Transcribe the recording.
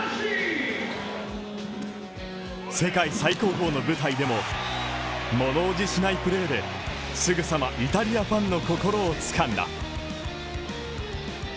世界最高峰の舞台でも物おじしないプレーですぐさまイタリアファンの心をつかんだ。